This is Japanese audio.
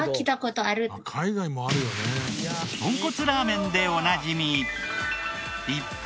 とんこつラーメンでおなじみ。